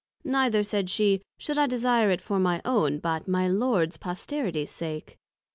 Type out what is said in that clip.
Neither, said she, should I desire it for my own, but my Lord's Posterities sake.